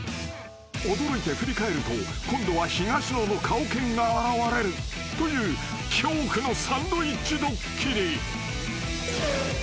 ［驚いて振り返ると今度は東野の顔犬が現れるという恐怖のサンドイッチドッキリ］